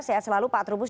sehat selalu pak trubus